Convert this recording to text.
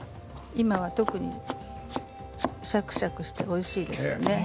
今は特にシャクシャクしておいしいですからね。